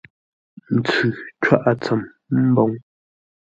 Ntsʉ cwáʼa tsəm mboŋ.